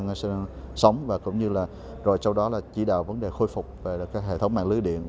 nó sẽ sống và cũng như là rồi sau đó là chỉ đạo vấn đề khôi phục về các hệ thống mạng lưới điện